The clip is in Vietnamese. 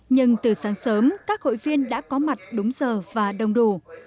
nhưng từ sáng sớm các hội viên đã có mặt đúng giờ và đông đủ